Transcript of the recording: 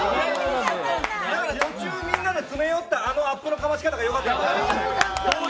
途中みんなで詰め寄ったあのかわし方がよかったのかな。